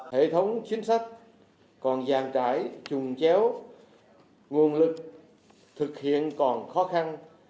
hệ thống chính sách còn dàn trải trùng chéo nguồn lực thực hiện còn khó khăn